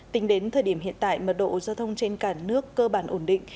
tính đến thời điểm hiện tại mật độ giao thông trên cả nước cơ bản ổn định